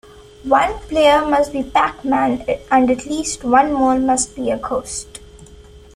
One player must be Pac-Man, and at least one more must be a Ghost.